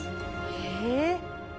え。